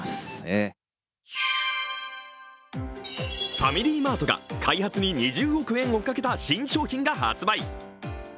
ファミリーマートが開発に２０億円をかけた新商品が発売。